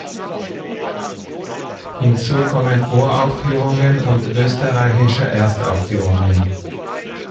Hinzu kommen Uraufführungen und österreichische Erstaufführungen.